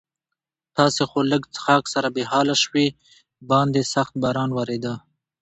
تاسې خو له لږ څښاک سره بې حاله شوي، باندې سخت باران ورېده.